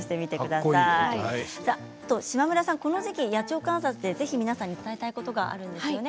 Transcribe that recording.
嶋村さん、この時期野鳥観察で皆さんに伝えたいことがあるんですよね。